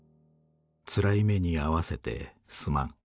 つらい目にあわせてすまん。